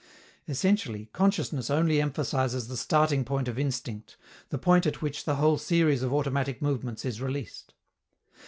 Essentially, consciousness only emphasizes the starting point of instinct, the point at which the whole series of automatic movements is released.